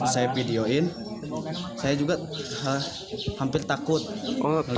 saya videoin saya juga hampir takut melihat dia